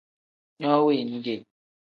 No weni ge.